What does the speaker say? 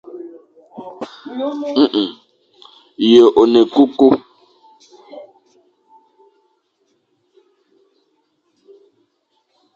Yô e ne ékukur.